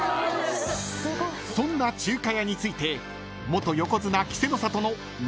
［そんな中華やについて元横綱稀勢の里の］